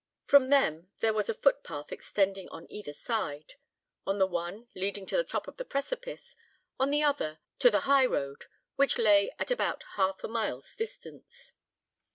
From them there was a footpath extending on either side; on the one, leading to the top of the precipice, on the other, to the high road, which lay at about half a mile's distance.